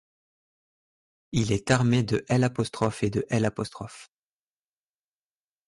Il est armé de l' et de l'.